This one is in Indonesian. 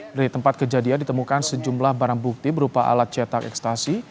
dari tempat kejadian ditemukan sejumlah barang bukti berupa alat cetak ekstasi